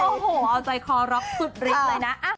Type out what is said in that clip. โอ้โหใจคอรักสุดริงเลยนะ